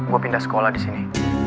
gue pindah sekolah di sini